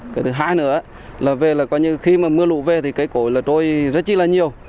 cái thứ hai nữa khi mưa lũ về thì cây cổi trôi rất là nhiều